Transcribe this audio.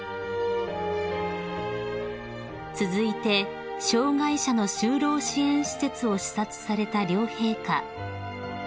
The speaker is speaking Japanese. ［続いて障害者の就労支援施設を視察された両陛下］